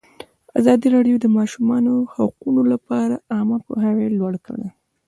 ازادي راډیو د د ماشومانو حقونه لپاره عامه پوهاوي لوړ کړی.